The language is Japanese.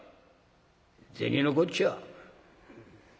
銭のこっちゃ。